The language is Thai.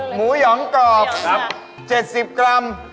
หมูหยอ๋องกรอบ๗๐กรัม